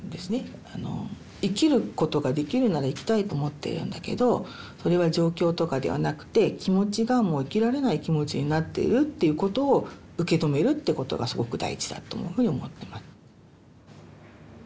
生きることができるなら生きたいと思ってるんだけどそれは状況とかではなくて気持ちがもう生きられない気持ちになっているっていうことを受け止めるってことがすごく大事だというふうに思ってます。